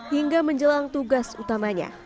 hingga menjelang tugas utamanya